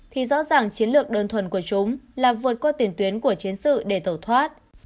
thì rõ ràng chiến lược đơn thuần của chúng là vượt qua tiền tuyến của chiến sự để tẩu thoát